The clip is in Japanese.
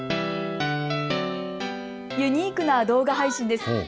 ユニークな動画配信です。